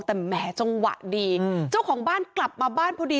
แต่แหมจังหวะดีเจ้าของบ้านกลับมาบ้านพอดี